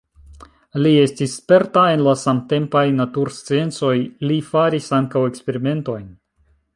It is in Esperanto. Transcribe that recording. Li estis sperta en la samtempaj natursciencoj, li faris ankaŭ eksperimentojn.